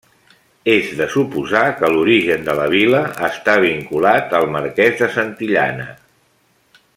És de suposar que l'origen de la vila està vinculat al Marqués de Santillana.